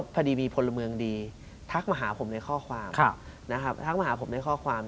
พอดีมีพลเมืองดีถักมาหาผมในข้อความ